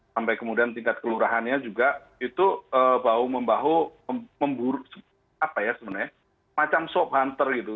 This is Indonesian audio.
sampai kemudian tingkat kelurahannya juga itu bahu membahu memburuk macam swab hunter gitu